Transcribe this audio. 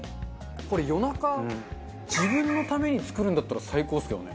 これ夜中自分のために作るんだったら最高ですけどね。